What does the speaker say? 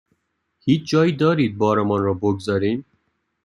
هیچ جایی دارید بارمان را بگذاریم؟